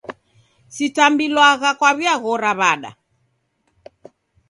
Sitambliwagha kwaw'iaghora w'ada.